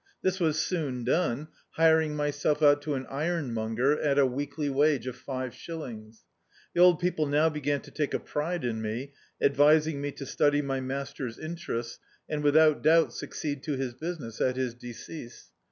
This was soon done, hiring mj'self out to an ir(Kimonger, at a weekly wage of five shillings. The old people now began to take a pride in me, advising me to study my master's interests, and without doubt succeed to his business at his decease.